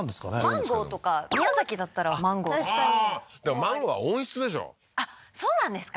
マンゴーとか宮崎だったらマンゴーとか確かにでもマンゴーは温室でしょあっそうなんですか？